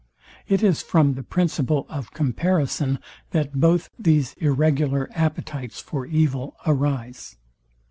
It is from the principle of comparison that both these irregular appetites for evil arise.